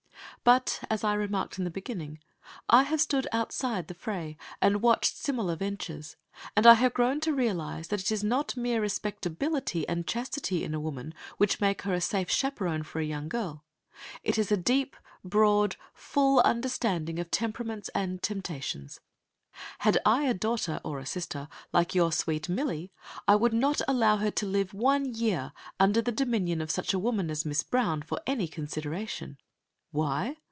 But as I remarked in the beginning, I have stood outside the fray and watched similar ventures, and I have grown to realize that it is not mere respectability and chastity in a woman which make her a safe chaperon for a young girl, it is a deep, full, broad understanding of temperaments and temptations. Had I a daughter or a sister like your sweet Millie, I would not allow her to live one year under the dominion of such a woman as Miss Brown for any consideration. Why?